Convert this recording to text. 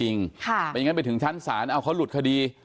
ไม่งั้นไปถึงชั้นศาลเอาเขาหลุดคดี